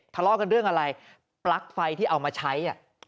ทะเลาะกันเรื่องอะไรปลั๊กไฟที่เอามาใช้